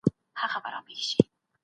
د بهرنیو چارو وزارت بهرنی سیاست نه بدلوي.